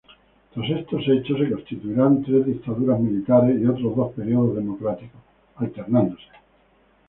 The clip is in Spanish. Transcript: Tras estos hechos, se constituirán tres dictaduras militares y otros dos periodos democráticos, alternándose.